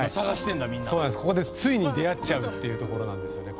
ついに出会っちゃうっていうところなんですね。